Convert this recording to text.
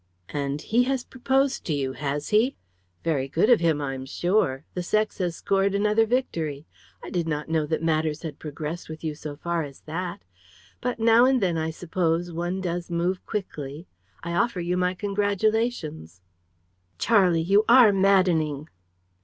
"And he has proposed to you, has he? Very good of him, I'm sure. The sex has scored another victory. I did not know that matters had progressed with you so far as that! But now and then, I suppose, one does move quickly. I offer you my congratulations." "Charlie! You are maddening!"